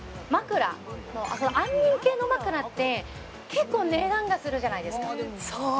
安眠系の枕って結構値段がするじゃないですかそう！